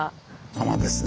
穴ですね。